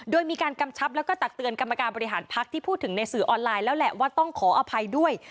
โดยมีการกำชับแล้วก็ตักเตือนกรรมการบริหารพักที่พูดถึงในสื่อออนไลน์แล้วแหละว่าต้องขออภัยด้วย